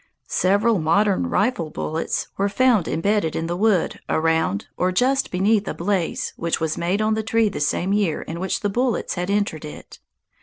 Several modern rifle bullets were found embedded in the wood around or just beneath a blaze which was made on the tree the same year in which the bullets had entered it.